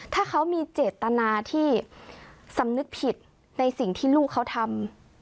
ถ้าเขามีเจตนาที่สำนึกผิดในสิ่งที่ลูกเขาทำ